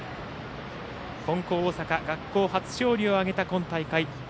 金光大阪学校初勝利を挙げた今大会。